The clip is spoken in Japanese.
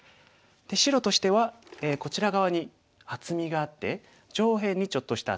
白としてはこちら側に厚みがあって上辺にちょっとした厚み。